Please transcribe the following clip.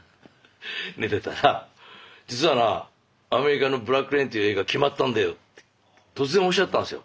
寝てたら実はなアメリカの「ブラック・レイン」という映画決まったんだよって突然おっしゃったんですよ。